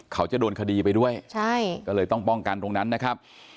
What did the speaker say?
เขาจะโดนคดีไปด้วยใช่ก็เลยต้องป้องกันตรงนั้นนะครับ